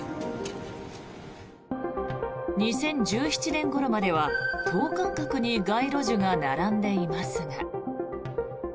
２０１７年ごろまでは、等間隔に街路樹が並んでいますが。